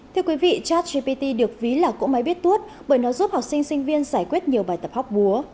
thưa quý vị chat gpt được ví là cỗ máy biết tuốt bởi nó giúp học sinh sinh viên giải quyết nhiều bài tập hóc búa